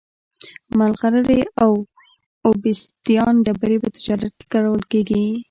مرغلرې او اوبسیدیان ډبرې په تجارت کې کارول کېدې